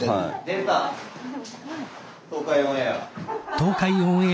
東海オンエア。